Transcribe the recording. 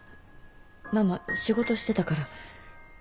ママ仕事してたから。